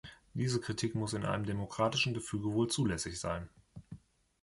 Diese Kritik muss in einem demokratischen Gefüge wohl zulässig sein.